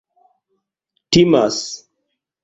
timas